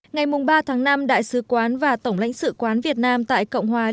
ngày ba tháng năm đại sứ quán và tổng lãnh sự quán việt nam tại cộng hòa liên